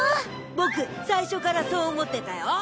ボク最初からそう思ってたよ。